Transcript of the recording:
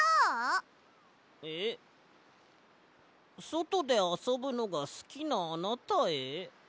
「そとであそぶのがすきなあなたへ」？